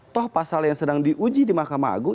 toh pasal yang sedang diuji di mahkamah agung